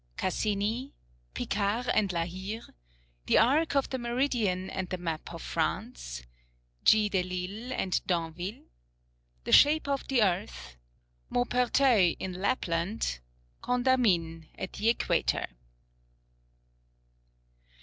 Cassini Picard and La Hire The arc of the Meridian and the Map of France G. Delisle and D'Anville The Shape of the Earth Maupertuis in Lapland Condamine at the Equator.